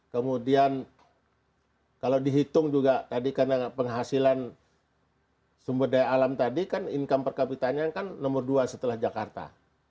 kemudian kalau dihitung juga tadi karena penghasilan sumber daya alam tadi kan income per kapitanya kan nomor dua setelah jakarta